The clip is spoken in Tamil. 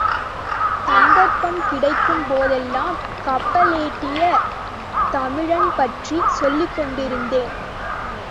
சந்தர்ப்பம் கிடைக்கும் போதெல்லாம் கப்பலோட்டிய தமிழன் பற்றிச் சொல்லிக்கொண்டிருந்தேன்.